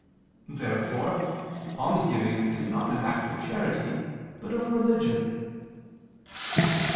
Therefore almsgiving is not an act of charity, but of religion.